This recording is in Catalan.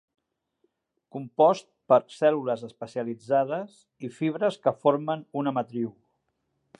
Compost per cèl·lules especialitzades i fibres que formen una matriu.